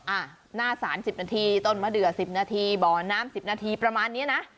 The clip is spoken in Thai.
อ่ะหน้าสาร๑๐นาทีต้นมะเดือ๑๐นาทีบ่อน้ำ๑๐นาทีประมาณนี้นะ